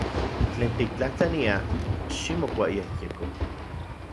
Tlen tiktlajtlania, ximokuayejyeko.